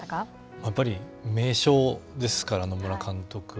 やっぱり名将ですから、野村監督は。